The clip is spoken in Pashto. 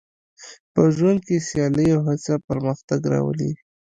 په ژوند کې سیالي او هڅه پرمختګ راولي.